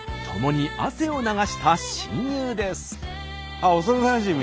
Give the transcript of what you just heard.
ああ幼なじみ？